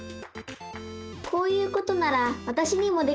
こういうことならわたしにもできそう！